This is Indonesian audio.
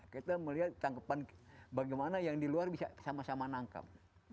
kita melihat tangkepan bagaimana yang di luar bisa sama sama nangkap